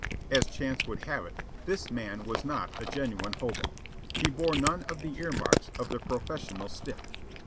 As chance would have it, this man was not a genuine hobo. He bore none of the ear marks of the professional "stiff."